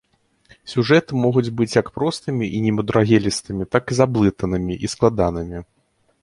Сюжэты могуць быць як простымі і немудрагелістымі, так і заблытанымі і складанымі.